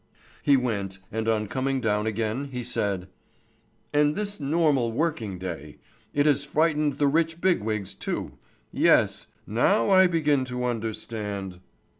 He went, and on coming down again he said: "And this normal working day it has frightened the rich big wigs too. Yes, now I begin to understand."